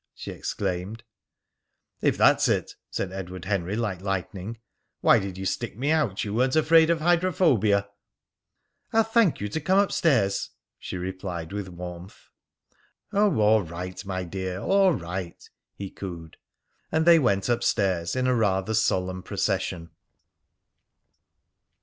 she exclaimed. "If that's it," said Edward Henry like lightning, "why did you stick me out you weren't afraid of hydrophobia?" "I'll thank you to come up stairs," she replied with warmth. "Oh, all right, my dear! All right!" he cooed. And they went up stairs in a rather solemn procession.